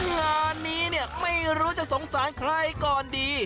งานนี้เนี่ยไม่รู้จะสงสารใครก่อนดี